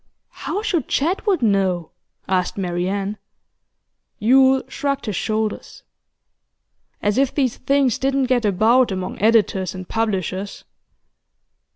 'How should Jedwood know?' asked Marian. Yule shrugged his shoulders. 'As if these things didn't get about among editors and publishers!